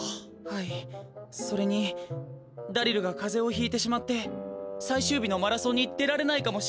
はいそれにダリルがかぜをひいてしまってさいしゅう日のマラソンに出られないかもしれないんです。